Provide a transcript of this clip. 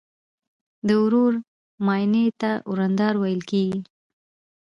د ورور ماینې ته وریندار ویل کیږي.